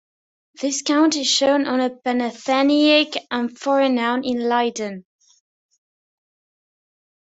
This counter is shown on a Panathenaic amphora now in Leiden.